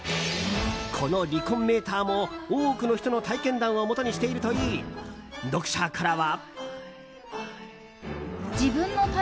この離婚メーターも多くの人の体験談をもとにしているといい読者からは。